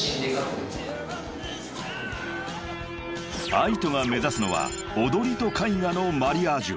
［ＡＩＴＯが目指すのは踊りと絵画のマリアージュ］